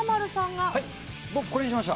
僕、これにしました。